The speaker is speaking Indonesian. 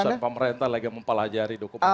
itu urusan pemerintah lagi mempelajari dokumen